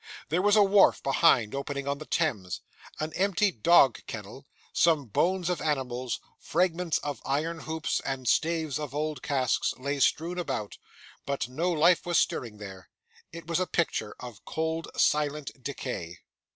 There was a wharf behind, opening on the Thames. An empty dog kennel, some bones of animals, fragments of iron hoops, and staves of old casks, lay strewn about, but no life was stirring there. It was a picture of cold, silent decay.